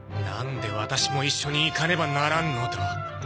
なんでワタシも一緒に行かねばならんのだ。